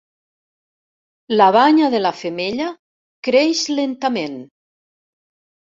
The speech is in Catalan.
La banya de la femella creix lentament.